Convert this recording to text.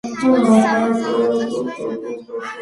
წყვილი სამოგზაუროდ წასვლას გადაწყვეტს.